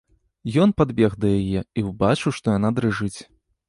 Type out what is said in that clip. Ён падбег да яе і ўбачыў, што яна дрыжыць.